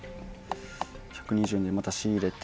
１２０円でまた仕入れて。